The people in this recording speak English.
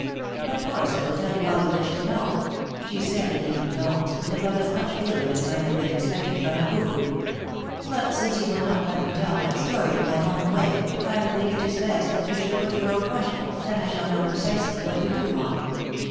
"Of course I will tell you all you wish to know," she said, in even tones, with about as much feeling as might have been expected from a cuckoo. "But since you will not let me tell my story in my own way, I think it is best that you should put your own questions, then I shall know precisely what you do want."